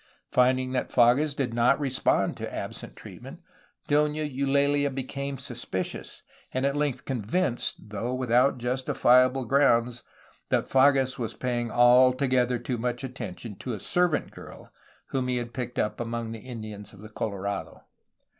Finding that Fages did not respond to absent treatment. Dona Eulalia became suspicious, and at length convinced, though without justifiable grounds, that Fages was paying altogether too much attention to a servant girl whom he had picked up among the Indians of the Colorado.